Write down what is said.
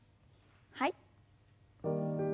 はい。